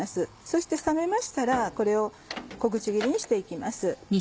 そして冷めましたらこれを小口切りにして行きます。